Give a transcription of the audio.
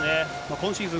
今シーズン